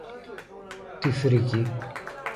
Τι φρίκη!